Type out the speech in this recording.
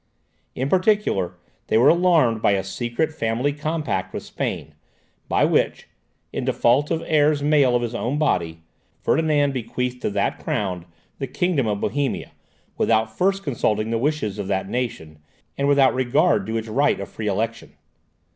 In particular, they were alarmed by a secret family compact with Spain, by which, in default of heirs male of his own body, Ferdinand bequeathed to that crown the kingdom of Bohemia, without first consulting the wishes of that nation, and without regard to its right of free election.